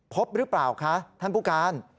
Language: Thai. พบหรือเปล่าคะท่านผู้การ